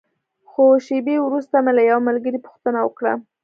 څو شېبې وروسته مې له یوه ملګري پوښتنه وکړه.